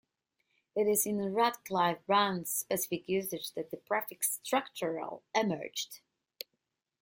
It is in Radcliffe-Brown's specific usage that the prefix 'structural' emerged.